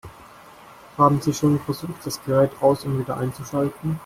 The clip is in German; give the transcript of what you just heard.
Haben Sie schon versucht, das Gerät aus- und wieder einzuschalten?